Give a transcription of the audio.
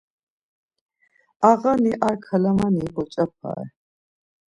Ağani ar kalamani boç̌apare.